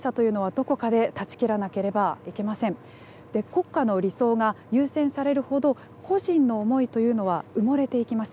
国家の理想が優先されるほど個人の思いというのは埋もれていきます。